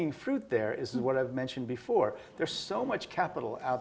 kita harus memastikan bahwa setiap anak